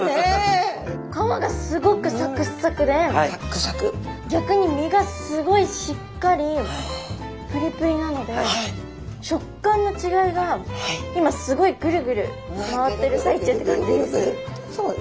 皮がすごくサクッサクで逆に身がすごいしっかりプリプリなので食感の違いが今すごいぐるぐる回ってる最中って感じです。